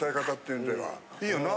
いいよな？